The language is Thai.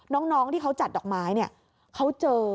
น้องที่เขาจัดดอกไม้เนี่ยเขาเจอ